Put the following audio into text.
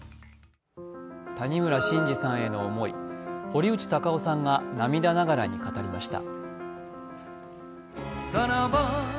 谷村新司さんへの思い、堀内孝雄さんが涙ながらに語りました。